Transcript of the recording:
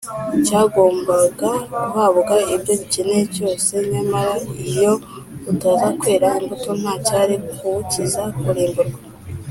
cyagombaga guhabwa ibyo gikeneye byose nyamara iyo utaza kwera imbuto, nta cyari kuwukiza kurimburwa